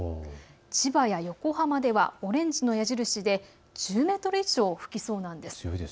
千葉や横浜ではオレンジの矢印で１０メートル以上吹きそうなんです。